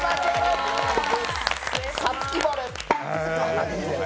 五月晴れ！